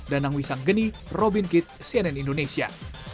dan angwi sanggeni robin kitt cnn indonesia